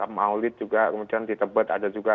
maulid juga kemudian di tebet ada juga